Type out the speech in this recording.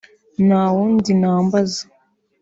Nta wundi nambaza